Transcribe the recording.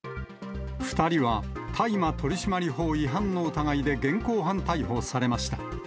２人は大麻取締法違反の疑いで現行犯逮捕されました。